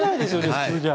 普通じゃ。